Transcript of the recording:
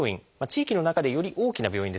地域の中でより大きな病院ですね